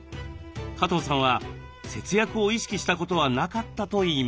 加藤さんは節約を意識したことはなかったといいます。